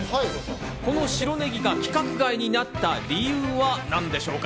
この白ネギが規格外になった理由は何でしょうか？